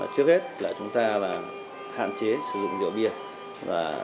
trước hết là chúng ta hạn chế sử dụng rượu bia